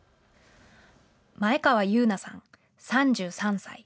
前川裕奈さん、３３歳。